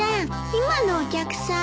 今のお客さん。